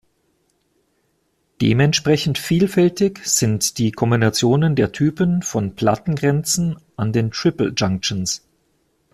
Dementsprechend vielfältig sind die Kombinationen der Typen von Plattengrenzen an den Triple Junctions.